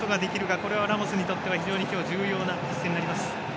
これは、ラモスにとっては非常に今日重要な一戦となります。